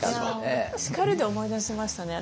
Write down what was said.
叱るで思い出しましたね。